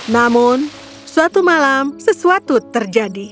namun suatu malam sesuatu terjadi